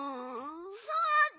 そうだ！